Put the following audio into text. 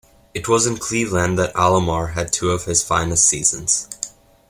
It was in Cleveland that Alomar had two of his finest seasons.